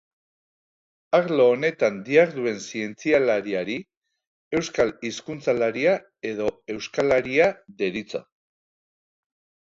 Arlo honetan diharduen zientzialariari euskal hizkuntzalaria edo euskalaria deritzo.